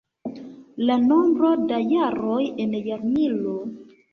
La nombro da jaroj en jarmilo.